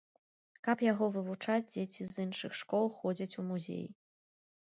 Каб яго вывучаць, дзеці з іншых школ ходзяць у музей.